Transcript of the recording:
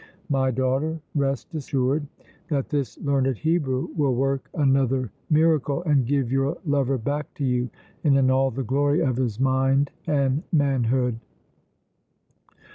My daughter, rest assumed that this learned Hebrew will work another miracle and give your lover back to you and in all the glory of his mind and manhood!